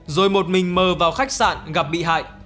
rồi một mình mờ vào khách sạn gặp bị hại